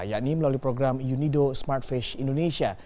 yakni melalui program unido smartfash indonesia